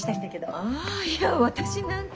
あいや私なんか。